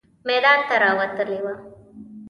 میدان ته راوتلې وه.